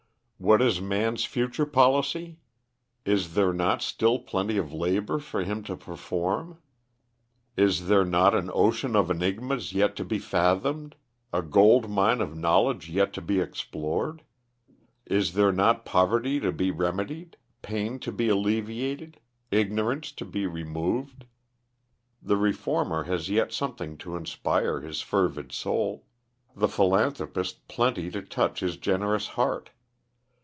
What is man's future policy? Is there not still plenty of labor for him to perform? Is there not an ocean of enigmas yet to be fathomed, a gold mine of knowledge yet to be explored? Is there not poverty to be remedied, pain to be alleviated, ignorance to be removed? The reformer has yet something to inspire his fervid soul; the philanthropist plenty to touch his generous heart.